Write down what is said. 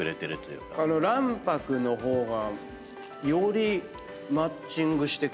卵白の方がよりマッチングしてきました。